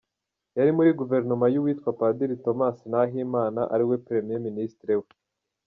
Yari muri Gouvernement y’uwitwa Padiri Thomas Nahimana ari Premier Ministre we!